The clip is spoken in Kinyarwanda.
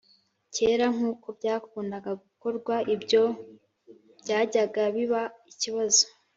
kera nk uko byakundaga gukorwa Ibyo byajyaga biba ikibazo